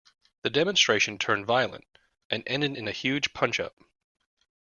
The demonstration turned violent, and ended in a huge punch-up